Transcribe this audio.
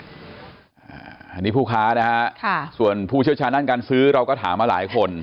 อันนี้ผู้ค้านะฮะส่วนผู้เชี่ยวชาญด้านการซื้อเราก็ถามมาหลายคน